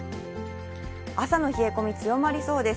朝の冷え込み、強まりそうです。